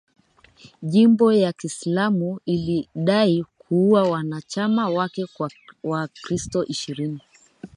Jimbo ya Kiislamu ilidai kuua wanachama wake wa kikristo ishirini.